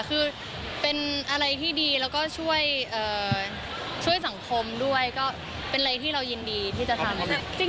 คือเป็นอะไรที่ดีแล้วก็ช่วยสังคมด้วยก็เป็นอะไรที่เรายินดีที่จะทำ